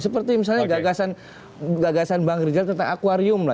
seperti misalnya gagasan bang rijal tentang akuarium lah